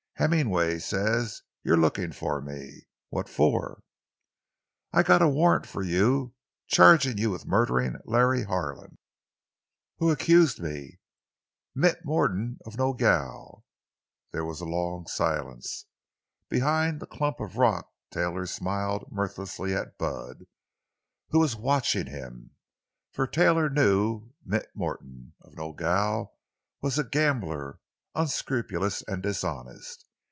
"Hemmingway says you're looking for me. What for?" "I've got a warrant for you, chargin' you with murderin' Larry Harlan." "Who accused me?" "Mint Morton, of Nogel." There was a long silence. Behind the clump of rock Taylor smiled mirthlessly at Bud, who was watching him. For Taylor knew Mint Morton, of Nogel, as a gambler, unscrupulous and dishonest.